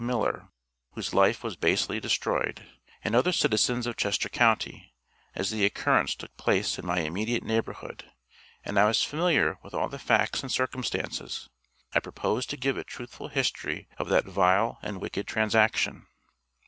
Miller, (whose life was basely destroyed), and other citizens of Chester county; as the occurrence took place in my immediate neighborhood, and I was familiar with all the facts and circumstances, I propose to give a truthful history of that vile and wicked transaction.